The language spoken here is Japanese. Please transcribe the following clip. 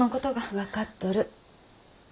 分かっとる。